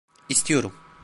İstiyorum.